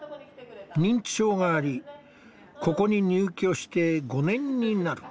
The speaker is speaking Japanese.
認知症がありここに入居して５年になる。